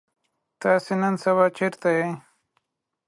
تاسو نن سبا چرته يئ؟